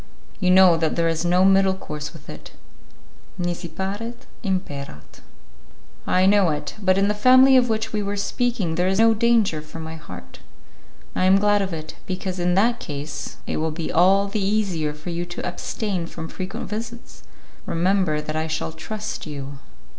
You know that there is no middle course with it: 'nisi paret, imperat'." "I know it, but in the family of which we were speaking there is no danger for my heart." "I am glad of it, because in that case it will be all the easier for you to abstain from frequent visits. Remember that I shall trust you."